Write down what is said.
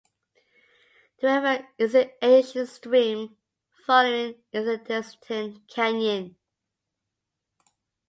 The river is an ancient stream, following an antecedent canyon.